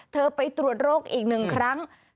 เธอไปตรวจโรคอีกหนึ่งครั้ง